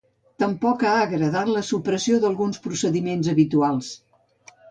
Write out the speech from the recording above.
Tampoc ha agradat la supressió d'alguns procediments habituals.